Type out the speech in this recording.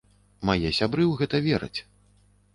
Мае сябры ў гэта вераць.